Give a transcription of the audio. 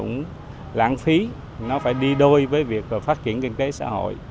đảng bộ phòng chống lãng phí nó phải đi đôi với việc phát triển kinh tế xã hội